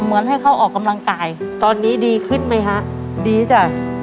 เหมือนให้เขาออกกำลังกายตอนนี้ดีขึ้นไหมฮะดีจ้ะ